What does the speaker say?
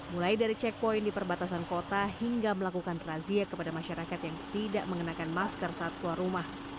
mulai dari checkpoint di perbatasan kota hingga melakukan razia kepada masyarakat yang tidak mengenakan masker saat keluar rumah